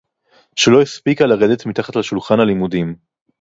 שלא הספיקה לרדת מתחת לשולחן הלימודים